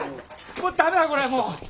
もうダメだこれもう。